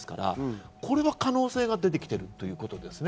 これは可能性が出てきているということですね。